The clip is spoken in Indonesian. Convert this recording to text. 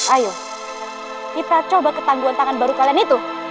ayo kita coba ketangguhan tangan baru kalian itu